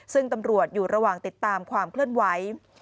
ซึ่งตำรวจอยู่ระหว่างติดตามความเคลื่อนไหว